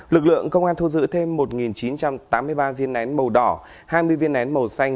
lực lượng công an thu giữ thêm một chín trăm tám mươi ba viên nén màu đỏ hai mươi viên nén màu xanh